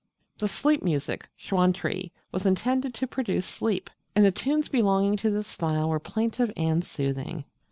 The 'Sleep music' (Suantree) was intended to produce sleep; and the tunes belonging to this style were plaintive and soothing.